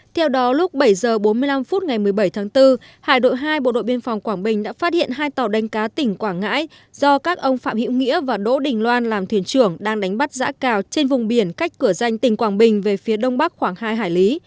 theo đó lúc bảy h bốn mươi năm phút ngày một mươi bảy tháng bốn hải đội hai bộ đội biên phòng quảng bình đã phát hiện hai tàu đánh cá tỉnh quảng ngãi do các ông phạm hữu nghĩa và đỗ đình loan làm thuyền trưởng đang đánh bắt giã cào trên vùng biển cách cửa danh tỉnh quảng bình về phía đông bắc khoảng hai hải lý